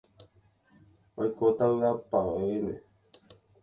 oikóta vy'apavẽme.